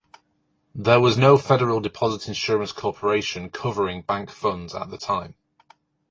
There was no Federal Deposit Insurance Corporation covering bank funds at the time.